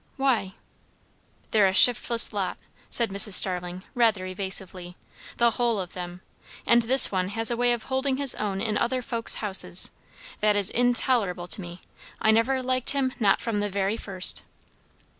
"Why?" "They're a shiftless lot," said Mrs. Starling rather evasively, "the whole of 'em. And this one has a way of holding his own in other folks' houses, that is intolerable to me! I never liked him, not from the very first."